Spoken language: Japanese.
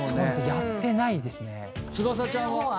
やってないですね。